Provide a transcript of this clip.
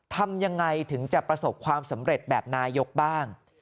ทำยังไงถึงจะประสบความสำเร็จแบบนายกบ้าง